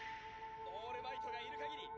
オールマイトがいる限り。